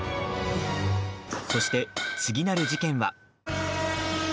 そして、次なる事件は。